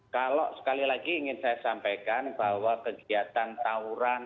kalau sekali lagi ingin saya sampaikan bahwa kegiatan tawuran